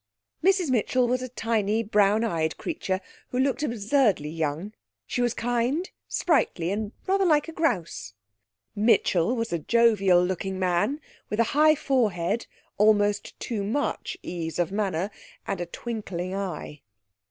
Mrs Mitchell was a tiny brown eyed creature, who looked absurdly young; she was kind, sprightly, and rather like a grouse. Mitchell was a jovial looking man, with a high forehead, almost too much ease of manner, and a twinkling eye.